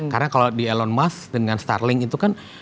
karena kalau di elon musk dengan starlink itu kan